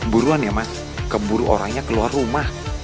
buruan ya mas keburu orangnya keluar rumah